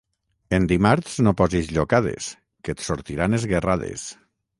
En dimarts no posis llocades, que et sortiran esguerrades.